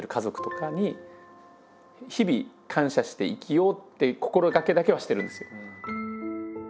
「日々感謝して生きよう」っていう心がけだけはしてるんですよ。